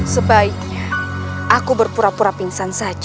sebaiknya aku berpura pura pingsan saja